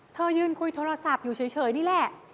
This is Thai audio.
ยืนคุยโทรศัพท์อยู่เฉยนี่แหละ